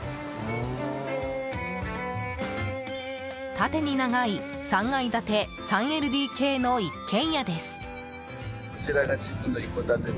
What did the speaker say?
縦に長い３階建て３ＬＤＫの一軒家です。